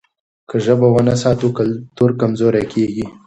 که ژبه ونه ساتو کلتور کمزوری کېږي.